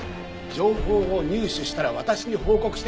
情報を入手したら私に報告して対応を諮る。